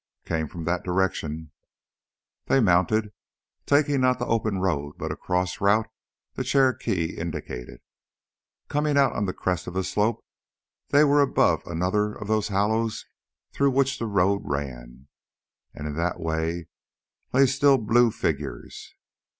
"Came from that direction " They mounted, taking not the open road but a cross route the Cherokee indicated. Coming out on the crest of a slope, they were above another of those hollows through which the road ran. And in that way lay still blue figures.